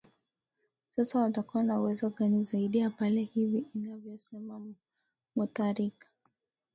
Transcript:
sasa watakuwa na uwezo gani zaidi ya pale hivi anavyosema mutharika